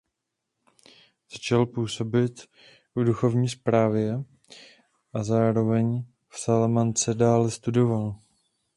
Začal působit v duchovní správě a zároveň v Salamance dále studoval.